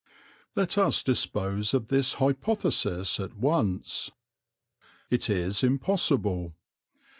Let us dispose of this hypothesis at once. It is impossible.